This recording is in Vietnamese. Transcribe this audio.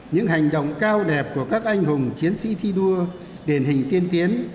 những hành động cao đẹp của các anh hùng chiến sĩ thi đua điển hình tiên tiến